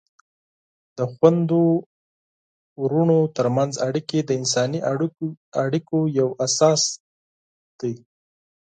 د خویندو ورونو ترمنځ اړیکې د انساني اړیکو یوه اساس ده.